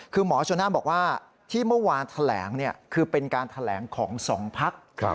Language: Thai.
คือหมอชนนั่นบอกว่าที่เมื่อวานแถลงคือเป็นการแถลงของ๒พัก